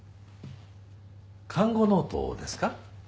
看護ノートですか？